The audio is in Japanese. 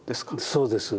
そうです。